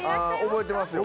覚えてますよ。